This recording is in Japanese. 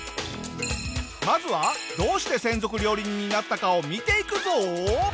まずはどうして専属料理人になったかを見ていくぞ！